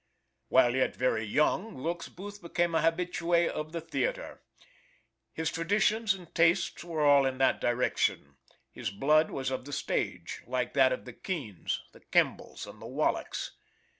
While yet very young, Wilkes Booth became an habitue at the theater. His traditions and tastes were all in that direction. His blood was of the stage, like that of the Keans, the Kembles, and the Wallacks.